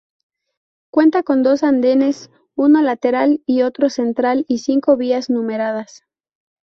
Cuenta con dos andenes, uno lateral y otro central y cinco vías numeradas.